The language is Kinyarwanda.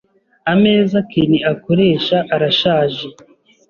Ameza Ken akoresha arashaje.